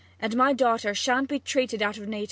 and my daughter sha'n't be treated out of nater!'